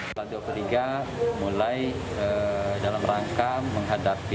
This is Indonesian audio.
pemerintah kota palembang mulai dalam rangka menghadapi